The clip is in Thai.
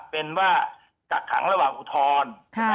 เป็นว่ากักขังระหว่างอุทธรณ์